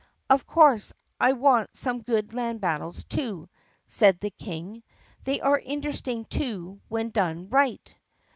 "Of course, I want some good land battles, too," said the King. "They are interesting too when done right."